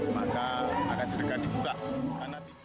maka akan terdekat dibuka